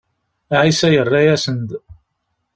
Ɛisa yerra-asen-d.